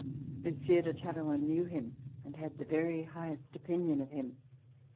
Monsieur de Talleyrand knew him and had the very highest opinion of him.